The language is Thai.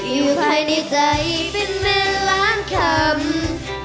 อยู่ภายในใจเป็นเนื้อล้านคำ